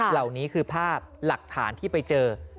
เหล่านี้คือภาพหลักฐานที่ไปเจอ